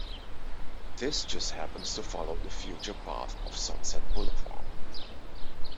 This just happens to follow the future path of Sunset Boulevard.